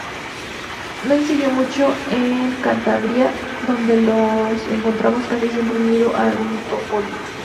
No incidió mucho en Cantabria, donde lo encontramos casi siempre unido a algún topónimo.